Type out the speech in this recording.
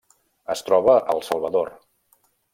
Es troba al Salvador.